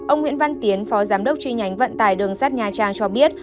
ông nguyễn văn tiến phó giám đốc truy nhánh vận tải đường sắt nhà trang cho biết